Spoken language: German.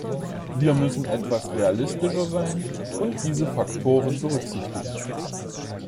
Wir müssen etwas realistischer sein und diese Faktoren berücksichtigen.